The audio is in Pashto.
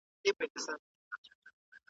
څنګه ډاکټر اوږده پاڼه ړنګوي؟